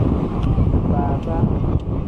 Faaba.